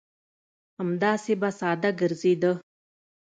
همداسې به ساده ګرځېده.